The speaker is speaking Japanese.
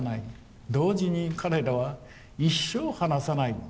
同時に彼らは一生話さない。